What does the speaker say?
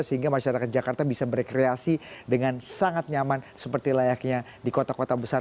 sehingga masyarakat jakarta bisa berkreasi dengan sangat nyaman seperti layaknya di kota kota besar